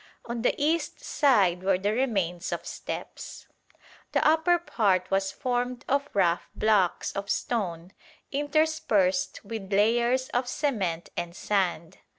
On the east side were the remains of steps. The upper part was formed of rough blocks of stone interspersed with layers of cement and sand.